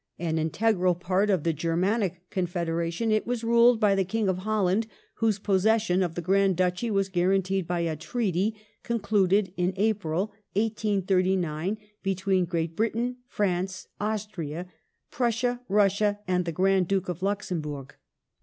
Luxem An integral part of the Germanic Confederation, it was ruled by ^"^8 the King of Holland whose possession of the Grand Duchy was guaranteed by a treaty, concluded in April, 1839, between Great Britain, France, Austria, Prussia, Russia, and the Grand Duke of Luxemburg.